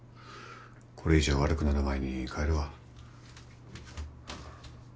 これ以上悪くなる前に帰るわ